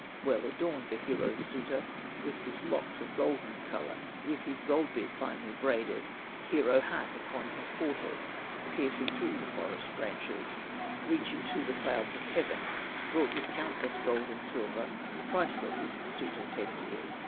Well adorned the hero suitor, With his locks of golden color, With his gold beard finely braided, Hero hat upon his forehead, Piercing through the forest branches, Reaching to the clouds of heaven, Bought with countless gold and silver, Priceless is the suitor's head gear.